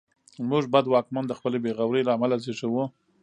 موږ بد واکمن د خپلې بېغورۍ له امله زېږوو.